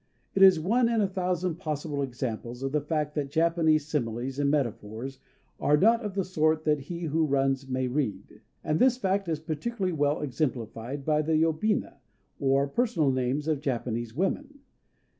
It is one in a thousand possible examples of the fact that Japanese similes and metaphors are not of the sort that he who runs may read. And this fact is particularly well exemplified in the yobina, or personal names of Japanese women.